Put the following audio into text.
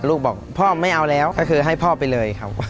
ลูกบอกพ่อไม่เอาแล้วก็คือให้พ่อไปเลยครับ